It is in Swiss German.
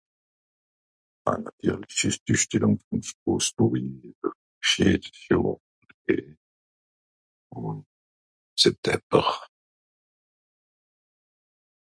Ah nàtirlisch ìsch d'Üssstellùng ìn Strosbùrri scheen ìn September.